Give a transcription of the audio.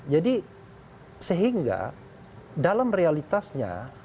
jadi sehingga dalam realitasnya